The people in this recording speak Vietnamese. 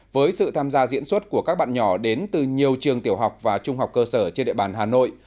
với sự tham gia diễn xuất của các bạn nhỏ đến từ nhiều trường tiểu học và trung học cơ sở trên địa bàn hà nội